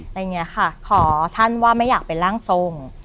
อะไรอย่างนี้ค่ะขอท่านว่าไม่อยากเป็นร่างทรง